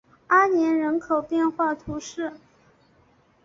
阿年人口变化图示